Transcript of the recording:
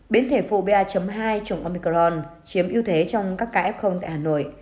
biến thể phụ pa hai trùng omicron chiếm ưu thế trong các ca f tại hà nội